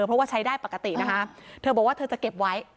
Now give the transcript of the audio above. เพราะว่าใช้ได้ปกตินะคะเธอบอกว่าเธอจะเก็บไว้